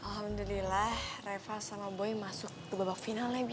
alhamdulillah reva sama boy masuk ke babak finalnya bi